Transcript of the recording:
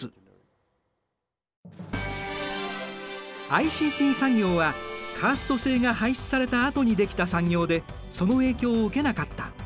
ＩＣＴ産業はカースト制が廃止されたあとに出来た産業でその影響を受けなかった。